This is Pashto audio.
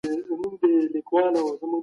موږ د خپل هېواد د تمدن ساتونکي يو.